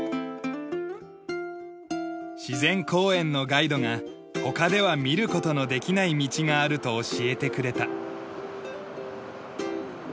自然公園のガイドが他では見る事のできない道があると教えてくれた。